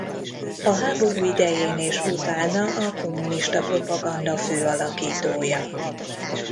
A háború idején és utána a kommunista propaganda fő alakítója.